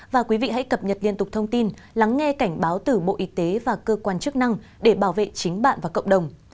và quý vị hãy cập nhật liên tục thông tin lắng nghe cảnh báo từ bộ y tế và cơ quan chức năng để bảo vệ chính bạn và cộng đồng